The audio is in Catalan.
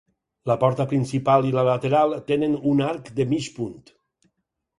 La porta principal i la lateral tenen un arc de mig punt.